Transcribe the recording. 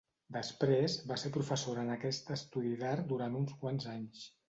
Després, va ser professora en aquest Estudi d’Art durant uns quants anys.